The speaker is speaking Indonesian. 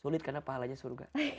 sulit karena pahalanya surga